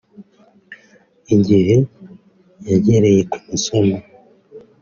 igihe yagereye ku masomo